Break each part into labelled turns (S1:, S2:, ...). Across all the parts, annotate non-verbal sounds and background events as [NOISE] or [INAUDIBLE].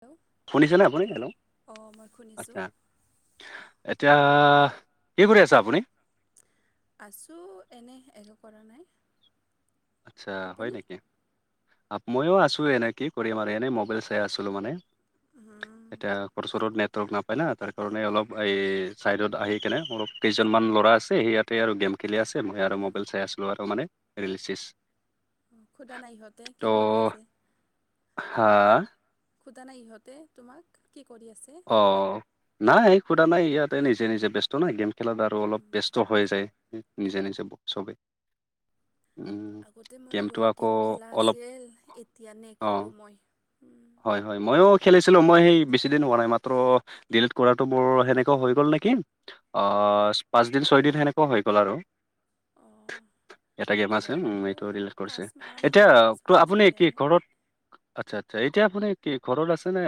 S1: Hello
S2: শুনিছে নে আপুনি
S1: অঁ অঁ মই শুনিছোঁ
S2: আচ্ছা এতিয়া কি কৰি আছা আপুনি
S1: আছো এনে একো কৰা নাই
S2: আচ্ছা হয়
S1: আপুনি
S2: নেকি মইয়ো আছো এনে কি কৰিম আৰু এনে মবাইল চাই আছিলো মানে
S1: উম,
S2: এটায়া কৰচৰত ন নাপায় না তাৰ কাৰণে অলপ এই চাইডত আহি কেনে অপ কেইজনমান ল'ৰা আছে সি ইয়াতে আৰু গেম খেলি আছে মই আৰু
S1: অঁ
S2: মোবাইল চাই আছিলো আৰু মানে ৰিলচ ছিলচ
S1: সোধা নাই ইহঁতে কি কৰি আছে
S2: হা
S1: সোধা নাই ইহঁতে তোমাক কি কৰি আছে
S2: অ নাই সোধা নাই ইয়াতে নিজে নিজে ব্যস্ত নহ গেম খেলত আৰু অলপ
S1: উম,
S2: ব্যস্ত হৈ যায় নিজে নিজে চবেই
S1: আগতে মই গেম খেলা
S2: অলপ
S1: আছিল এতিয়া
S2: অ
S1: নেখেলো মই উম,
S2: হয় হয় মইও খেলিছিলো মই সেই বেছি দিন হোৱা নাই মাত্ৰ ডিলিট কৰাটো বৰ সেনেকুৱা হৈ গ'ল ন [UNINTELLIGIBLE] নিম অ পাঁচদিন ছয় দিন সেনেকুৱাও হৈ গ'ল আৰু
S1: [INAUDIBLE]
S2: এটা গেম আছে উ
S1: মোৰতো
S2: এইটো কৰিছে
S1: পাঁচমাহমান
S2: এতিয়া
S1: হ'ল
S2: ত
S1: হ'ল
S2: আপুনি
S1: চাগে
S2: কি ঘৰত আচ্ছা্ এতিয়া আপুনি কি ঘৰত আছে নে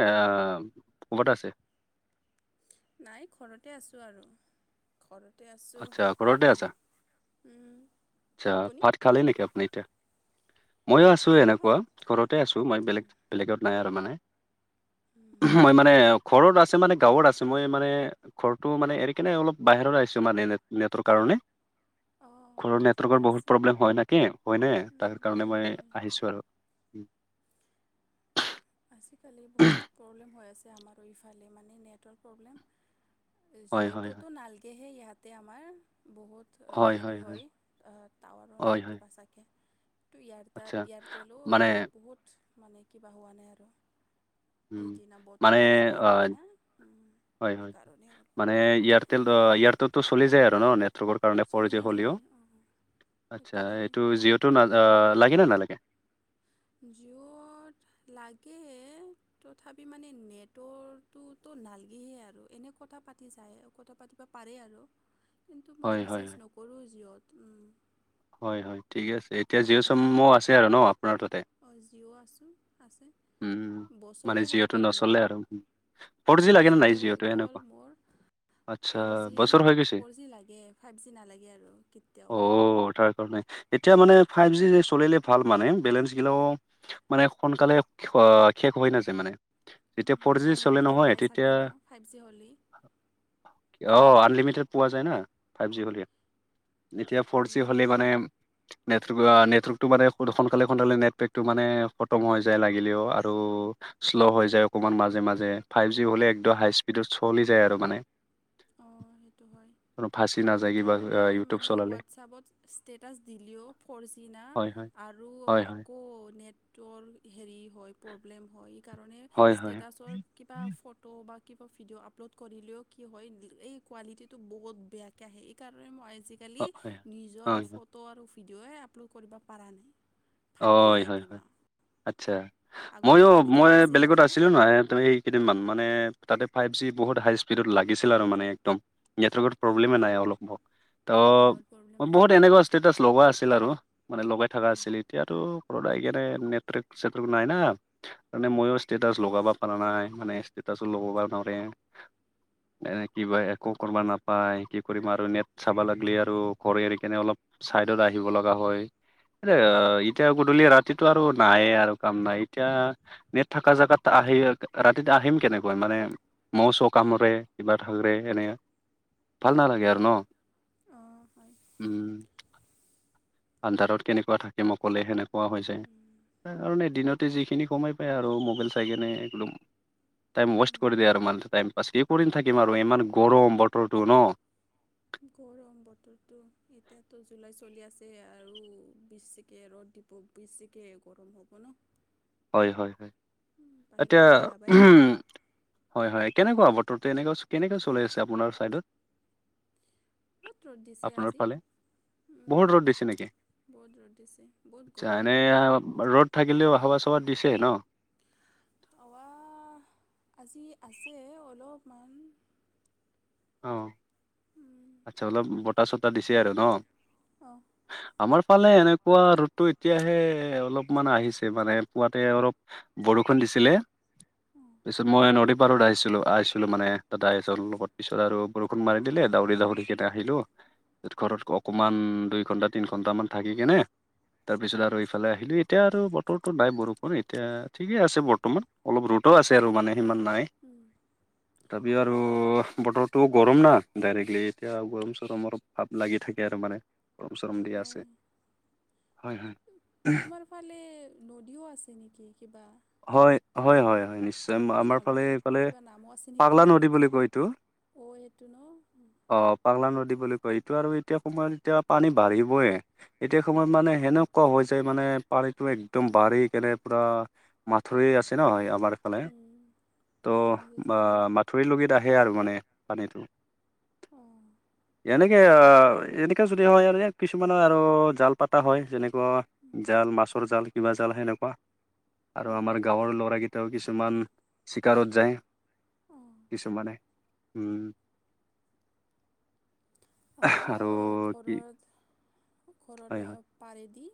S2: ক'বাত আছে [UNINTELLIGIBLE]
S1: নাই ঘৰতে আছোঁ আৰু ঘ
S2: আচ্ছা ঘৰতে আছা
S1: উম,
S2: আচছা
S1: আপুনি
S2: ভাত খালে নেকি আপুনি মইো আছো এনেকুৱা
S1: ভাত
S2: ঘৰতে আছো মই বেলেগ বেলেগত নাই আ
S1: উম,
S2: মই মানে ঘৰত আছে মানে গাঁৱত আছে মই মানে ঘৰটো মানে এৰি কিনে অলপ বাহিৰত আছো তোমাৰ ন নেটৰ কাৰণে
S1: অ
S2: ঘৰৰ নেটৱৰ্কৰ বহুত প্ৰব্লেম হয় নেকি হয় ন তাৰ
S1: উম,
S2: কাৰণে
S1: হয়
S2: মই
S1: হয়
S2: আহিছো আৰু
S1: আজিকালি বহুত প্ৰব্লেম হৈ আছে আমাৰো ইফালে মানে নেটৱৰ্ক প্ৰব্লেম
S2: হয় হয় হয়
S1: জিঅ'টোতো নালগেহে ইয়াতে আমাৰ [UNINTELLIGIBLE] বহুত হেৰি হয় তাৱাৰো
S2: হয় হয়
S1: নাইকি পাছাকৈ [UNINTELLIGIBLE]
S2: আচ্ছা
S1: এইয়াৰ এয়াৰটেলো
S2: মানে
S1: বহুত মানে কিবা হোৱা নাই আৰু
S2: উম
S1: এইদিনা
S2: মানে
S1: বতৰো ভাল
S2: অ
S1: নহয় ন
S2: হয় হয় মানে এয়াৰটেল এয়াৰটেলটো চলি যায় আৰু ন নেটকৰ কাৰণ ফ'ৰ
S1: চলি
S2: জি হ'লে
S1: যায় অঁ
S2: আচছা
S1: সেইটো হয়
S2: এই জিঅ'টো [UNINTELLIGIBLE] লাগে নে নালাগে
S1: জিঅ'ত লাগে তথাপি মানে নেটৱকৰ্টোতো নালগেহে আৰু এনে কথা পাতি যায় কথা পাতিব পাৰে আৰু কিন্তু
S2: হয়
S1: মই
S2: হয়
S1: ৰিচাৰ্জ
S2: হয়
S1: নকৰোঁ জিঅ'ত উম,
S2: হয় হয় ঠিকে আছে এতিয়া
S1: লাভ
S2: জিঅ'
S1: নাই
S2: চিমো আছে আৰু ন আপোনাৰ তাতে
S1: অঁ জিঅ' আছোঁ
S2: [UNINTELLIGIBLE]
S1: আছে
S2: উম মানে
S1: বছৰে হৈ
S2: যিহেতু
S1: গ'ল মোৰ
S2: নচলে আৰু ফ'ৰ জি লাগে নে নাই
S1: বছৰে হৈ
S2: জিঅ'টো
S1: গ'ল
S2: এনেকুৱা
S1: মোৰ
S2: আচ্ছা
S1: ফ'ৰ জিয়ে
S2: বছৰ হৈ গৈছে
S1: ফ'ৰ জি লাগে ফাইভ জি নালাগে আৰু কেতিয়াও
S2: অ' তাৰ
S1: [UNINTELLIGIBLE]
S2: এতিয়া মানে ফাই জি চলিলে ভাল মানে বেলেঞ্চ গিলাও মানে সোনকালে খ খে নাযে মানে যেতিয়া ফ'ৰ জি চলে
S1: আনলিমিটেড
S2: নহয়
S1: পাই
S2: তেতিয়া
S1: চাগে ন ফাইভ জি হ'লি
S2: অ আনলিমিটেড পোৱা যায় না ফাইভ জি হ'লি এতিয়া ফ'ৰ জি
S1: মোৰ
S2: হ'লে মানে নেৰ্টৱৰ্কটো মে সোনকালে সোনকালে নেটৱেক টো মানে খতম হৈ যায় লাগে [UNINTELLIGIBLE] ও আৰু শ্ল' হৈ যায় অকমান মাজে মাজে ফাইভ জি হলে একদম হাই স্পীডত চলি যায় আৰু [UNINTELLIGIBLE] মানে
S1: অঁ সেইটো হয়
S2: কোনো ফাঁচি নাযায় কিবা
S1: সেইকাৰণে
S2: ইউটিউব
S1: মানে
S2: চলালে
S1: হোৱাটছপত ষ্টেটাছ দিলেও ফ'ৰ জি ন
S2: হয় হয়
S1: আৰু
S2: হয়
S1: আকৌ
S2: হয়
S1: আকৌ নেট [UNINTELLIGIBLE] ৰ হেৰি হয় প্ৰব্লেম হয় সেই কাৰণে
S2: হয় হয়
S1: ষ্টেটাচৰ কিবা ফটো বা কিবা ভিডিঅ' আপলোড কৰিলেও কি হয় এই কোৱালিটিটো বহুত বেয়াকে আহে এই কাৰণে মই [UNINTELLIGIBLE] আজিকালি
S2: হয় হয়
S1: নিজৰ
S2: হয়
S1: ফটো আৰু ভিডিঅয়ে আপলোড কৰিব পৰা নাই ফাটি
S2: হয়
S1: যায়
S2: হয় হয়
S1: কিবা
S2: আচ্ছা
S1: আগতে
S2: ময়ো
S1: এনেকুৱা
S2: মই
S1: নাছিল
S2: বেলেগত
S1: আৰু
S2: আছিলো নহয় এই কেইদিনমান মানে তাতে ফাইভ জি বহুত হাই স্পীডত লাগিছিল আৰু মানে একদম নেটৱৰ্কত প্ৰব্লেমে নাই
S1: উম,
S2: অলপ ত'
S1: গাঁৱত প্ৰব্লেম হয়
S2: বহুত এনেকুৱা ষ্টেটাচ লগোৱা আছিল আৰু মানে লগাই থকা আছিলে নেটৱেক চেটক নাই না তে মইো ষ্টেটাচ লগাব পৰাা নাই মানে [UNINTELLIGIBLE] ষ্টেতচো লগাব নোৱাৰে এ কিব একো কৰিব নাপায় কি কৰিম আৰু নেট চাবা লাগিলি আৰু ঘৰ এৰি কেনে অলপ [UNINTELLIGIBLE] চাইডত আহিব লগা হয় এ এতিয়া গধূলি ৰাতিটো আৰু নায়ে আৰ কাম নাই এতিয়া নেট থকা জোগাত আহে ৰাতি আহিম কেনেকৈ মানে মৌ চ কামৰে কিবা থাকৰে এনে
S1: [INAUDIBLE]
S2: ভাল নালাগে আৰু ন
S1: অঁ হয়
S2: উম আন্ধাৰত কেনেকুৱা থাকিম অকলে সেনেকুৱা হৈ যায়
S1: উম,
S2: তাৰকাৰণে দিনতে যিখিনি কমাই পায় আৰু মোবাইল চাইগিনে বোলো টাইম ৱেষ্ট কৰি
S1: উম।
S2: দিয়ে আৰু মানে টাইম পাছ স কৰি ন থাকিম আৰু ইমান গৰম বতৰটো ন
S1: গৰম বতৰটো এতিয়াতো জুলাই চলি আছে আৰু বিশ বিচিকে ৰ'দ দিব বিচিকে গৰম হ'ব ন
S2: হয় হয় এতিয়া
S1: বাহিৰতো ওলাবই
S2: উ
S1: নোৱাৰোঁ
S2: হয় হয় কেনেকুৱা বৰ্ত- তেনেকাছ কেনেকা চলাই আছে আপোনাৰ চাইডত
S1: ক'ত ৰ'দ দিছে
S2: আপোনাৰ
S1: আজি
S2: ফালে
S1: উম,
S2: বহুত ৰ'দ দিছে নেকি?
S1: বহুত ৰ'দ দিছে বহুত
S2: আচ্ছা
S1: গৰম
S2: এনে
S1: আৰু
S2: ৰ'দ থাকিলেও তত দিছে ন
S1: হাৱা আজি আছে অলপমান
S2: অ
S1: উম,
S2: আচ্ছা অলপ বতাহ চটা দিছে
S1: তোমাৰ
S2: আৰু ন
S1: ফালে অঁ
S2: আমাৰ ফালে এনেকুৱা ৰ'দটো এতিয়াহে অলপমান আহিছে মানে পুৱাতে অলপ বৰষুণ দিছে। ছিলে
S1: অঁ
S2: পিছত মই নদী পাৰত আহিছিলো আহিছিলো মানে তাতে আহিছো লগত পিছত আৰু বৰষুণ মাৰি দিলে দাউৰি দাউৰি কেইটা আহিলো ঘৰত অকমান দুই ঘণ্টা তিনি ঘন্টামান থাকি কেনে তাৰপিছত আৰু এইফালে আহিলো এতিয়া আৰু বতৰো নাই বৰষুণ এতিয়া ঠিকে আছে বৰ্তমান অলপ ৰোদ ত আছে আৰু মানে সিমান নাই
S1: উম,
S2: তথাপিও আৰু বতৰটো গৰম না ডাইৰেক্টলি এতিয়া গৰম চৰমৰ ভাৱ লাগি থাকে আৰু মানে গৰম চৰম দি
S1: হয়
S2: আছে। হয় হয়।
S1: তোমাৰ ফালে নদীও আছে নেকি কিবা?
S2: হয় হয় হয় হয় নিশ্চয়,
S1: কি
S2: আমাৰ
S1: নাম
S2: ফালে এইফালে
S1: কিবা
S2: পাগলা নদী বুলি কয় এইটো।
S1: অ' সেইটো ন।
S2: অ' পাগলা বুলি কয়। এইটো আৰু এতিয়া সময়ত এতিয়া পানী বাঢ়িবই এতিয়া সময়ত মানে সেনেকুৱা হৈ যায় মানে। মান পানীতটো একদম বাঢ়ি কেনে পুৰা মাথৰি আছে নহ আমাৰ ফালে, ত'
S1: ভাঙি যায় চাগে ন
S2: মথৰিৰ লৈকে আহে আৰু মানে পানীটো।
S1: অ',
S2: এনেক এয়া এনেকা যদি হয় আৰু কিছুমানৰ আৰু জাল পাতা হয়। যেনে অ জাল মাছৰ জাল কিবা জাল সেনেকুৱা। আৰু আমাৰ গাঁৱৰ ল'ৰাকেইটাও কিছুমান চিকাৰত যায়।
S1: অ',
S2: কিছুমানে উম।
S1: আমাৰো
S2: আৰু কি
S1: ঘৰৰত ঘৰৰ
S2: হয় হয়
S1: পাৰেদি।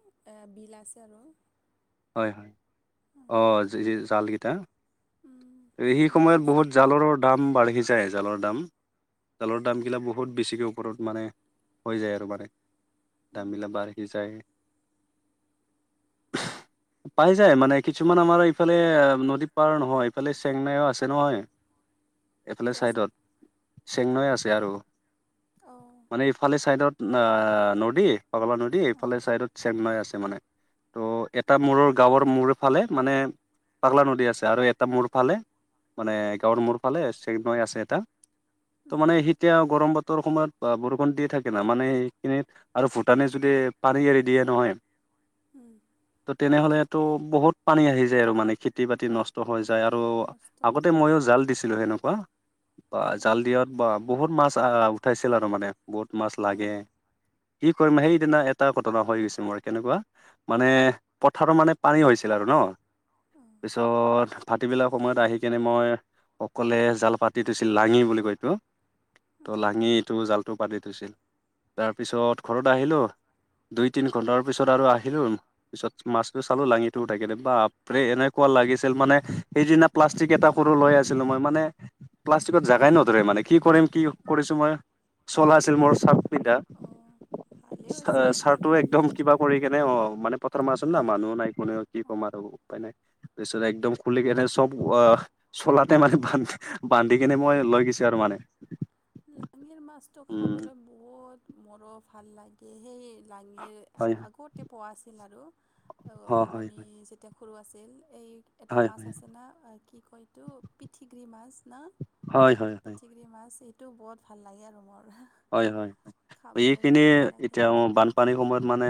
S1: বিল আছে আৰু।
S2: হয় হয় অ জাল কেইটা সি
S1: বিল
S2: সময়ত
S1: আছে
S2: বহুত জালৰ দাম বাঢ়ি যায় জালৰ দাম। জালৰ দামগিলা বহুত বেছিকৈ ওপৰত মানে হৈ যায় আৰু মানে দাম বিলাক বাঢ়ি যায়। পাই যায়, মানে কিছুমান আমাৰ ইফালে নদী পাৰ নহয়। ইফালে চেংনাইও আছে নহয়।
S1: [INAUDIBLE]
S2: এইফালে
S1: আছে
S2: ছাইডত চেংনৈ আছে আৰু
S1: অ',
S2: মানে ইফালে ছাইডত অ নদী পাগলা নদী
S1: অ',
S2: এইফালে চাইদত চেংনাই আছে মানে। ত এট- এটা মূৰৰ গাঁৱৰ মূৰ ফালে মানে পাগলা নদী আছে আৰু এটা মূৰ ফালে মানে গাঁৱৰ মূৰ ফালে চেং নৈ আছে এটা, ত' মানে এতিয়া গৰমত ৰ সময়ত বৰষুণ দিয়ে থাকে না, মানে সেইখিনিত আৰু ভূটানে যদি পানী এৰি দিয়ে নহয়।
S1: উম।
S2: ত' তেনেহলেটো বহুত পানী আহি যায় আৰু মানে খেতি বাতি নষ্ট হৈ যায়। যাই আৰু
S1: নষ্ট
S2: আগতে
S1: হৈছে
S2: মইয়ো জাল দিছিলো সেনেকোৱা।
S1: অ',
S2: জাল দিয়া বহুত মাছ উঠাইছিল আৰু মানে বহুত মাছ লাগে।
S1: অ',
S2: কি কৰিম সেইদিনা এটা ঘটনা হৈ গৈছে মৰ আৰু কেনেকুৱা মানে, পথাৰৰ মানে পানী হৈছিল আৰু ন,
S1: অ',
S2: তাৰপিছত ফাটিবিলাক সময়ত আহি কিনে মই অকলোৱে জাল পাতিটোছিল লাঙি বুলি কয় সেইটো। ত'
S1: অ',
S2: লাঙিটো জালটো পতি থৈছিল। তাৰপিছত ঘৰত আহিলোঁ, দুই তিনি ঘণ্টাৰ পিছত আৰু আহিলোঁ, পিছত মাছতো চালো লাঙিটো উঠাইকিনে, বাপৰে এনেকুৱা লাগিছিল মানে, সেইদিনা প্লাষ্টিক এটা সৰু ম লৈ আছিলো মই মানে প্লাষ্টিকত জাগাই নধৰে কি কৰিম কি কৰিছো মই চলাই আছিল মোৰ
S1: আগত অ', ভালেই হৈছে
S2: [UNINTELLIGIBLE] ছাৰটো
S1: তেনেহ'লে
S2: একদম কিবা কৰি কেনে অ মানে, পথাৰ মা আছে না
S1: অ',
S2: মানুহ নাই কোনেও কি ক'ম
S1: অ'।
S2: আৰু উপায় নাই তাৰপিছত একদম খুলি এনে চব আহ। চলাতে মানে বান্ধি বান্ধি কিনে
S1: অঁ,
S2: মই লৈ গৈছো আৰু মানে।
S1: লাঙিৰ মাছটো
S2: উম
S1: খাবলৈ বহুত মৰম ভাল লাগে সেই। লাঙিৰ
S2: হয়
S1: আগতে পোৱা আছিল আৰু
S2: হয় হয়
S1: আমি যেতিয়া সৰু আছিল। এই এটা
S2: হয়
S1: মাছ
S2: হয়
S1: আছে না কি কয় এইটো পিঠিগৰি মাছ না,
S2: হয় হয় হয় হয়
S1: পিঠিকৰি মাছ এইটোও বহুত ভাল লাগে আৰু মোৰ।
S2: হয় হয় হয়
S1: খাবলৈ
S2: এইখিনি
S1: বহুত ভাল লাগে
S2: এতিয়া বানপানীৰ সময়ত মানে মানে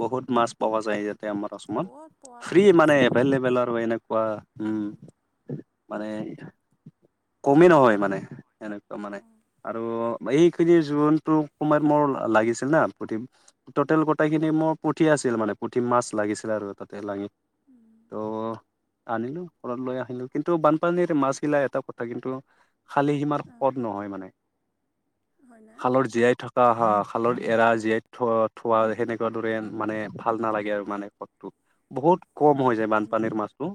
S2: বহুত মাছ পাব যায় ইয়াত। [UNINTELLIGIBLE]
S1: বহুত পোৱা
S2: ফ্ৰী মানে
S1: আছিল আগতে
S2: এভলেবল আৰু এনেকুৱা উম। মানে কমেই নহয় মানে এনেকুৱা মানে আৰু এইখিনি জোৰোনটো সোমাইত মোৰ লাগিছিল না পুটিপ টটেল গোটেইখিনি মোৰ পুঠি আছিল মানে পুঠি মাছ লাগিছিল আৰু তাতে লাঙি ত'। আনিলো ঘৰত লৈ আহিলো কিন্তু বানপানীৰে মাছবিলা এটা কথা কিন্তু খালী সীমাৰ কদ নহয় মানে
S1: হয়নে
S2: খালৰ জীয়াই থকা আঁহ আহা খালত এৰা জীয়াই থ থোৱা সেনেকুৱা দৰে মানে ভাল নালাগে আৰু মানে সাদটো বহুত কম হৈ যায় বানপানীৰ মাছটো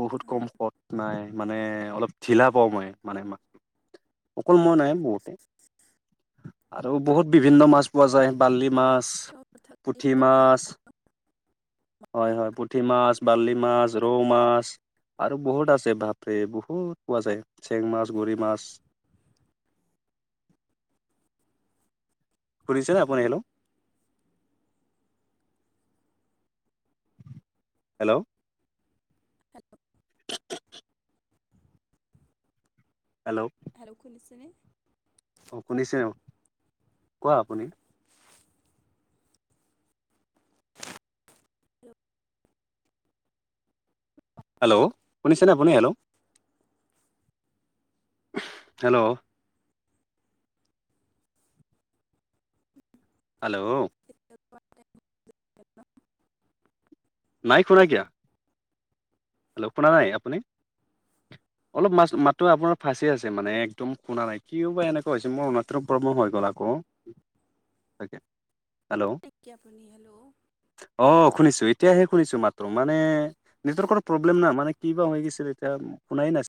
S2: বহুত কম সত নাই মানে অলপ ঢিলা পাওঁ মই মানে, মই অকল মই নাই বহুতে। আৰু বহুত বিভিন্ন মাছ পোৱা যায়, বাললি মাছ, পুঠি মাছ। হয় হয় পুঠি মাছ বাৰ্লি মাছ ৰৌ মাছ আৰু বহুত আছে ভাপৰে বহুত পোৱা যায় চেং মাছ গৰি মাছ
S1: [UNINTELLIGIBLE]
S2: শুনিছনে আপুনি হেনো হেল্ল'
S1: হেল্ল' শুনিছেনে
S2: অঁ শুনিছে কোৱা আপুনি
S1: হেল্ল'
S2: হেল্ল' শুনিছেনে আপুনি হেল্ল' হেল্ল' হেল্ল' নাই শুনা কিয়া হেল্ল' শুনা নাই আপুনি অলপ মাছ মাতো আপোনাৰ ফাঁচি আছে মানে একদম শুনা নাই কিয় বা এনেকুৱা হৈছে মোৰৰুণ প্ৰব্লেম হৈ গ'ল আকৌ হেল্ল'
S1: নেকি আপুনি হেল্ল'
S2: আহ শুনিছো ই এতিয়াহে শুনিছো মাটতো মানে নেটৰ প্ৰব্লেম না মানে কি বা হৈ গৈছিল এতিয়া শুনাই নাছ